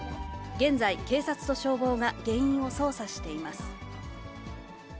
現在、警察と消防が原因を捜査しています。